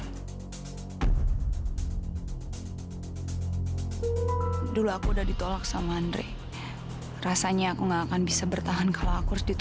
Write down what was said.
hai dulu aku udah ditolak sama andre rasanya aku nggak akan bisa bertahan kalau aku scall ke satu